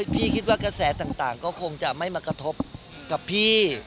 พี่คิดว่ากระแสต่างก็คงจะไม่มากระทบกับพี่